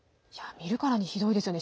見るからにひどいですよね。